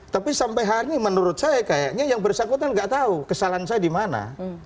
tapi sampai hari ini menurut saya kayaknya yang bersangkutan nggak tahu kesalahan saya di mana